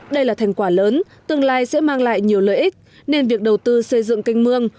đây là thành quả lớn tương lai sẽ mang lại nhiều lợi ích nên việc đầu tư xây dựng canh mương